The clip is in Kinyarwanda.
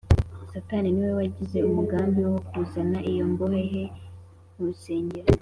satani ni we wagize umugambi wo kuzana iyo mbohe ye mu rusengero